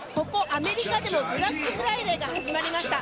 アメリカでのブラックフライデーが始まりました。